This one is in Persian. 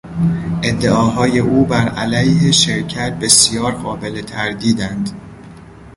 ادعاهای او بر علیه شرکت بسیار قابل تردیداند.